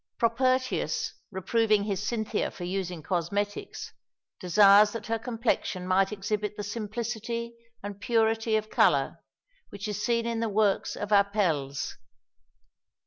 Propertius, reproving his Cynthia for using cosmetics, desires that her complexion might exhibit the simplicity and purity of colour which is seen in the works of Apelles."